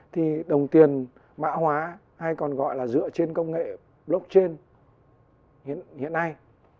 thì đồng tiền mã hóa hay còn gọi là dựa trên công nghệ blockchain hiện nay